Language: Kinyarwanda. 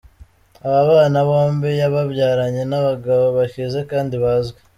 Aba bana bombi yababyaranye n’abagabo bakize kandi bazwi.